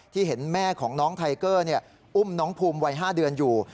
เห็นแม่ของน้องไทเกอร์อุ้มน้องภูมิวัย๕เดือนอยู่